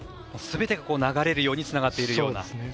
全てが流れるようにつながっているような。